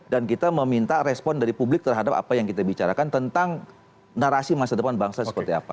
dan kita meminta respon dari publik terhadap apa yang kita bicarakan tentang narasi masa depan bangsa seperti apa